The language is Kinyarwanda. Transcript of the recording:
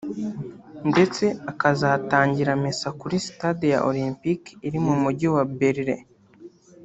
ndetse akazatangira misa kuri sitade ya Olympic iri mu Mujyi wa Berlin